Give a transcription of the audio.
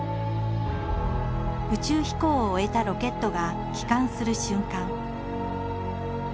宇宙飛行を終えたロケットが帰還する瞬間